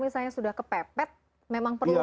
misalnya sudah kepepet memang perlu